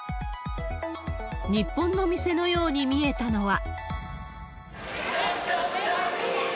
日本の店のように見えたのは。